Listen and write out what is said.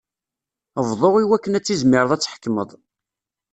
Bḍu iwakken ad tizmireḍ ad tḥekmeḍ.